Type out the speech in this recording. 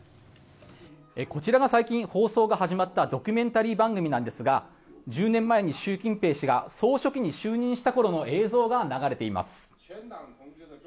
こちらが最近放送が始まったドキュメンタリー番組なんですが１０年前に習近平氏が総書記に就任した頃の映像が流れています。